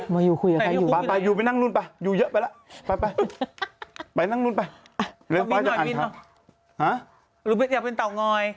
มายูสงการเที่ยวไหนคะ